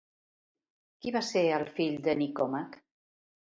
Qui va ser el fill de Nicòmac?